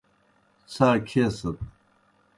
څھا کھیسَت۔